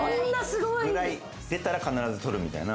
出たら必ず取るみたいな。